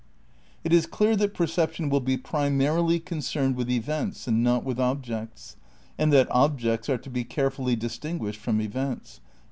'" It is clear that perception will be primarily concerned with events and not with objects and that objects are to be carefully distinguished from events.